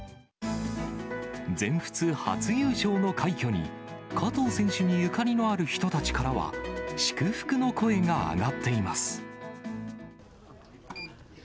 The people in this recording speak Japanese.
全仏初優勝の快挙に、加藤選手にゆかりのある人たちからは、祝福の声が上がっています。